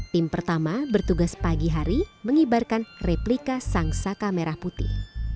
tim pertama bertugas pagi hari mengibarkan replika sang saka merah putih